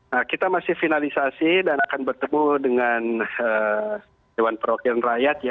nah kita masih finalisasi dan akan bertemu dengan dewan perwakilan rakyat ya